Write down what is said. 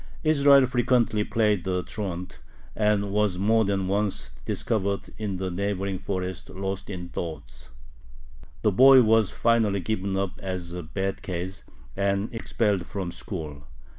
Israel frequently played the truant, and was more than once discovered in the neighboring forest lost in thought. The boy was finally given up as a bad case, and expelled from school.